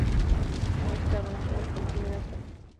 اوښ د افغانستان د کلتوري میراث برخه ده.